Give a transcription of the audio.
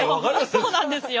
そうなんですよ！